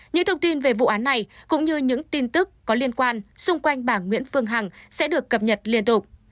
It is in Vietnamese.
những thông tin về vụ án này cũng như những tin tức có liên quan xung quanh bà nguyễn phương hằng sẽ được cập nhật liên tục